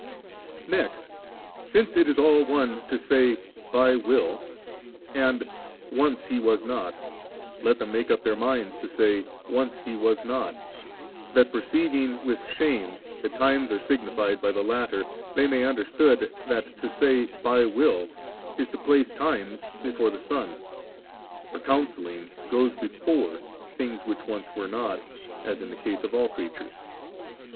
Next, since it is all one to say *By will' and Once He was not,' let them make up their minds to say, *Once He was not,' that, perceiving with shame that times are signified by the latter, they may understand that to say *by will' is to place times before the Son; for counselling goes before things which once were not, as in the case of all creatures.